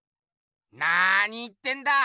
なーに言ってんだ！